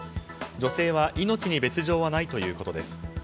女性は命に別条はないということです。